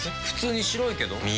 普通に白いけど。